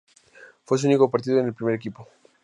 Fue su único partido con el primer equipo.